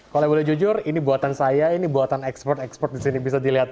kalau boleh jujur ini buatan saya ini buatan ekspert expert di sini bisa dilihat